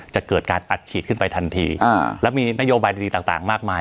จะเกิดการอัดฉีดขึ้นไปทันทีแล้วมีนโยบายดีต่างมากมาย